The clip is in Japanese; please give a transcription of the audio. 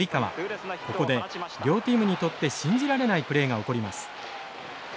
ここで両チームにとって信じられないプレーが起こります。